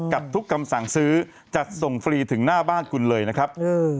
กับทุกคำสั่งซื้อจัดส่งฟรีถึงหน้าบ้านคุณเลยนะครับ